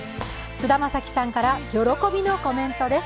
菅田将暉さんから喜びのコメントです。